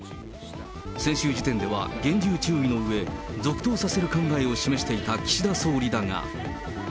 先週時点では厳重注意のうえ、続投させる考えを示していた岸田総理だが。